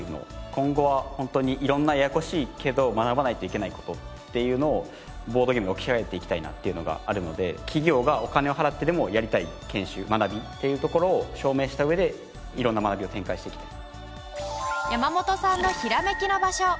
今後はホントに色んなややこしいけど学ばないといけない事っていうのをボードゲームに置き換えていきたいなっていうのがあるので企業がお金を払ってでもやりたい研修学びっていうところを証明した上で色んな学びを展開していきたい。